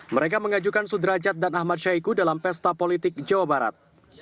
mereka mengajukan sudrajat dan ahmad syahiku dalam pesta politik jawa barat